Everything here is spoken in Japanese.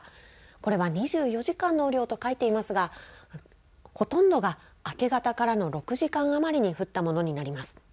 これは２４時間の雨量と書いていますが、ほとんどが明け方からの６時間余りに降ったものになります。